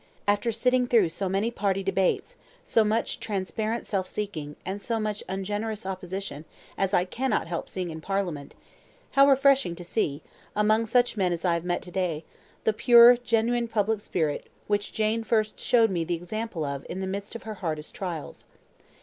After sitting through so many party debates, so much transparent self seeking, and so much ungenerous opposition as I cannot help seeing in Parliament, how refreshing to see, among such men as I have met to day, the pure, genuine public spirit which Jane first showed me the example of in the midst of her hardest trials.